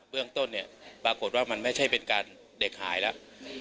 เรื่องต้นเนี่ยปรากฏว่ามันไม่ใช่เป็นการเด็กหายแล้ว